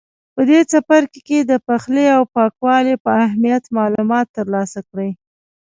په دې څپرکي کې د پخلي او پاکوالي په اهمیت معلومات ترلاسه کړئ.